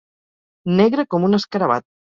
Negre com un escarabat.